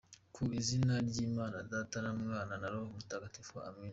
« Ku izina ry’Imana Data na Mwana na Roho Mutagatifu, Amina.